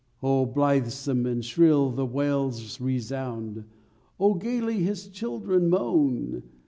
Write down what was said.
_Oh, blithesome and shrill the wails resound! Oh, gaily his children moan!